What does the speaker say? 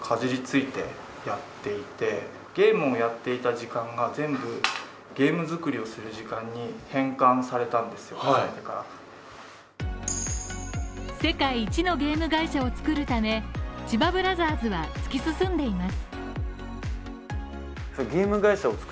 そこで父親はすると２人は世界一のゲーム会社を作るため千葉ブラザーズは突き進んでいます。